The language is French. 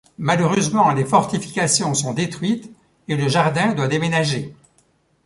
Malheureusement les fortifications sont détruites et le jardin doit déménager.